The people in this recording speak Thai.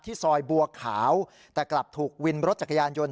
ซอยบัวขาวแต่กลับถูกวินรถจักรยานยนต์